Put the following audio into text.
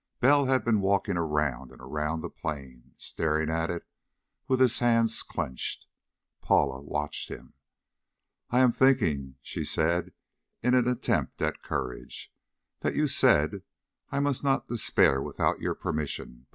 Bell had been walking around and around the plane, staring at it with his hands clenched. Paula watched him. "I am thinking," she said in an attempt at courage, "that you said I must not despair without your permission.